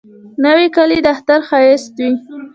نوې کالی د اختر ښایست وي